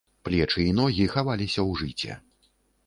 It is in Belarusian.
Плечы і ногі хаваліся ў жыце.